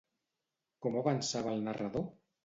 Com avançava el narrador?